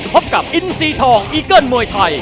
พบกับอินซีทองอีเกิ้ลมวยไทย